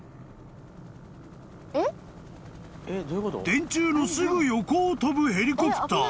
［電柱のすぐ横を飛ぶヘリコプター］